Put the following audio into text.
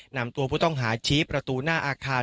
นำตัวผู้ต้องหาชี้ประตูหน้าอาคาร